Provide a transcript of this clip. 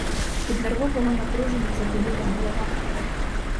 Від нервового напруження заболіла голова.